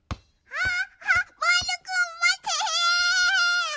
あっ！